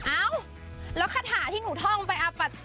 เอ้าแล้วคาถาที่หนูท่องไป